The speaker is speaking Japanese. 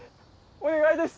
お願いです